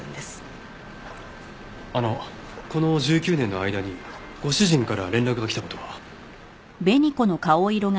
あのこの１９年の間にご主人から連絡が来た事は？